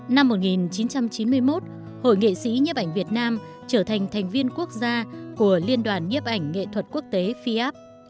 năm một nghìn chín trăm chín mươi một hội nghị sĩ nhiệm ảnh việt nam trở thành thành viên quốc gia của liên đoàn nhiệm ảnh nghệ thuật quốc tế fiap